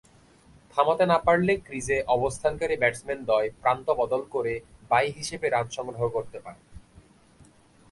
থামাতে না পারলে ক্রিজে অবস্থানকারী ব্যাটসম্যানদ্বয় প্রান্ত বদল করে বাই হিসেবে রান সংগ্রহ করতে পারেন।